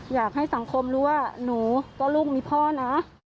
อยากให้สังคมรู้ว่าหนูก็ลูกมีพ่อนะ